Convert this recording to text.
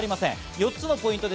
４つのポイントで